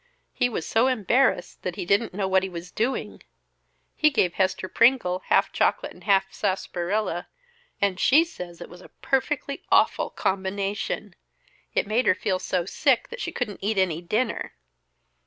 He was so embarrassed that he didn't know what he was doing. He gave Hester Pringle half chocolate and half sarsaparilla, and she says it was a perfectly awful combination. It made her feel so sick that she couldn't eat any dinner.